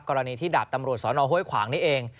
กรณีที่ดาบตำรวจสอนอห้วยขวางนี้เอง